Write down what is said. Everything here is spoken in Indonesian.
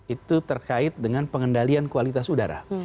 itu terkait dengan pengendalian kualitas udara